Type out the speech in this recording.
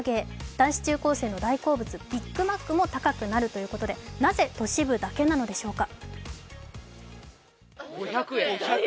男子中高生の大好物、ビッグマックも高くなるということでなぜ都市部だけなのでしょうか。